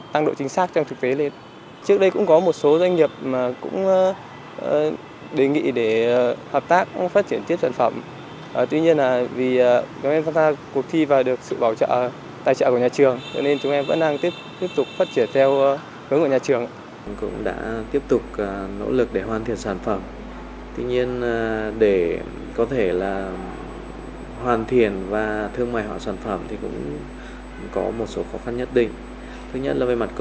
thì chúng ta sẽ có thể giúp đỡ các cơ quan nhận diện và truyền thông soetc một mươi bảy